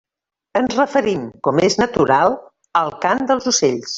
Ens referim, com és natural, al cant dels ocells.